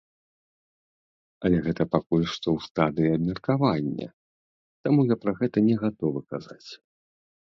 Але гэта пакуль што ў стадыі абмеркавання, таму я пра гэта не гатовы казаць.